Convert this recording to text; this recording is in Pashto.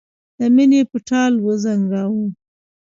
د مینې په ټال وزنګاوه.